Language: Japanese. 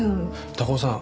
高尾さん